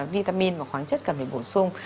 vitamin và khoáng chất cần phải bổ sung